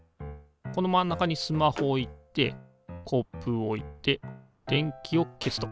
この真ん中にスマホを置いてコップを置いて電気を消すと。